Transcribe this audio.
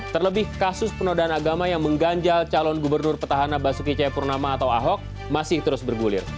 terlebih kasus penodaan agama yang mengganjal calon gubernur petahana basuki cayapurnama atau ahok masih terus bergulir